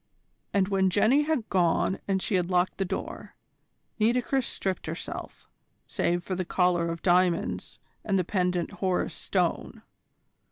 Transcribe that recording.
And when Jenny had gone and she had locked the door, Nitocris stripped herself, save for the collar of diamonds and the pendant Horus Stone.